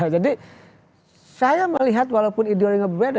jadi saya melihat walaupun ideologi berbeda